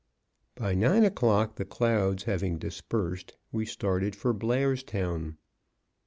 By nine o'clock the clouds having dispersed, we started for Blairstown.